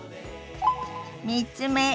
３つ目。